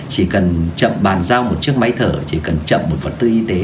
chỉ cần chậm bàn giao một chiếc máy thở chỉ cần chậm một vật tư y tế